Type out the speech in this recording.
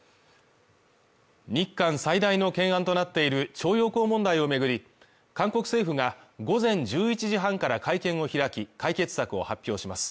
日韓最大の懸案となっている徴用工問題を巡り、韓国政府が午前１１時半から会見を開き、解決策を発表します。